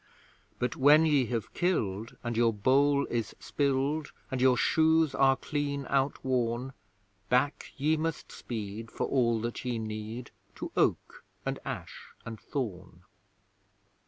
But when ye have killed, and your bowl is spilled, And your shoes are clean outworn, Back ye must speed for all that ye need, To Oak and Ash and Thorn!